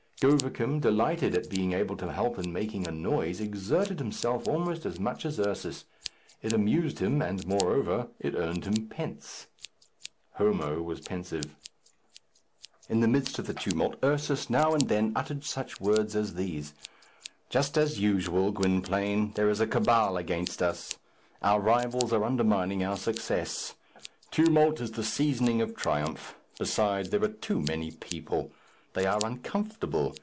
Govicum, delighted at being able to help in making a noise, exerted himself almost as much as Ursus. It amused him, and, moreover, it earned him pence. Homo was pensive. In the midst of the tumult Ursus now and then uttered such words as these: "Just as usual, Gwynplaine. There is a cabal against us. Our rivals are undermining our success. Tumult is the seasoning of triumph. Besides, there are too many people. They are uncomfortable.